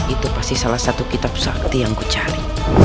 itu pasti salah satu kitab sakti yang kucari